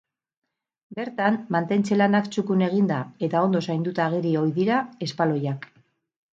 Bertan mantentze lanak txukun eginda eta ondo zainduta ageri ohi dira espaloiak.